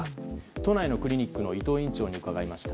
都内のクリニックの伊藤院長に伺いました。